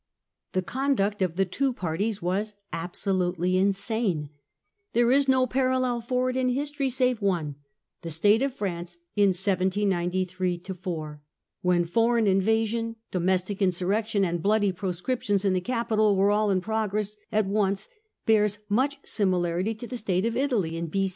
The conduct of the two parties was absolutely insane : there is no parallel for it in history save one : the state of France in 1793 94, when foreign invasion, domestic insurrection, and bloody proscriptions in the capital were all in progress at once, bears much similarity to the state of Italy in B.